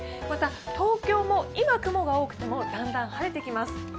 また、東京も今、雲が多くてもだんだん晴れてきます。